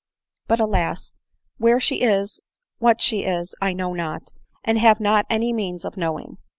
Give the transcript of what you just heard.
But, alas ! where she is, what she is, I know not, and have not any means of knowing.